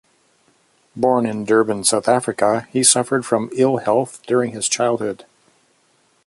Born in Durban, South Africa, he suffered from ill-health during his childhood.